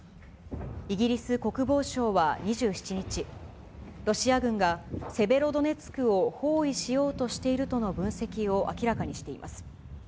イギリス国防省は２７日、ロシア軍がセベロドネツクを包囲しようとしているとの分析を明らかにしています。